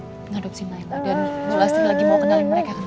mau mengadopsi naila dan mula sri lagi mau kenal yang mereka kenal